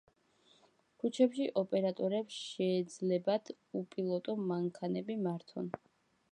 ქუჩებში ოპერატორებს შეეძლებათ უპილოტო მანქანები მართონ.